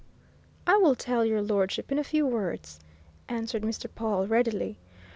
"I will tell your lordship in a few words," answered Mr. Pawle, readily.